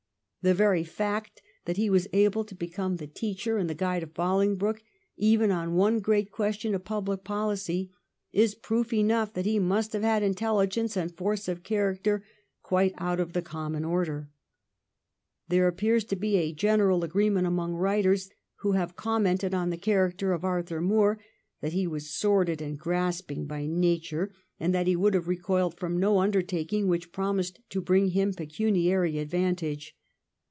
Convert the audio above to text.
The very fact that he was able to become the teacher and the guide of Bolingbroke, even on one great question of public policy, is proof enough that he must have had intelligence and force of character quite out of the common order. There appears to be a general agreement among writers who have commented on the character of Arthur Moor that he was sordid and grasping by nature, and that he would have recoiled from no undertaking which promised to bring him pecuniary advantage.